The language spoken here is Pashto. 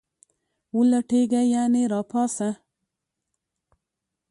ولټیږه ..یعنی را پاڅه